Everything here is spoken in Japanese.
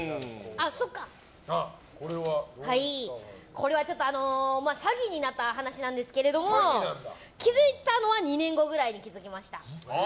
これは詐欺に遭った話なんですけれども気づいたのは２年後くらいに気づきました。